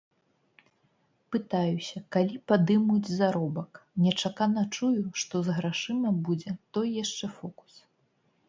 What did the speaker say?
Пытаюся, калі падымуць заробак, нечакана чую, што з грашыма будзе той яшчэ фокус.